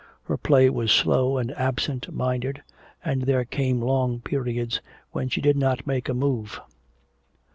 Her play was slow and absent minded, and there came long periods when she did not make a move.